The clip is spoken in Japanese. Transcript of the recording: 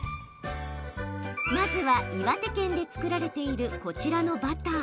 まずは、岩手県で作られているこちらのバター。